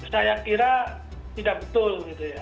saya kira tidak betul